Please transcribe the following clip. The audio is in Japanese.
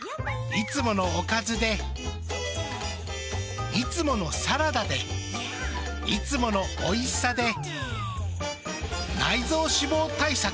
いつものおかずでいつものサラダでいつものおいしさで内臓脂肪対策。